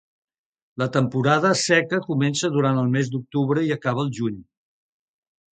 La temporada seca comença durant el mes d'octubre i acaba al juny.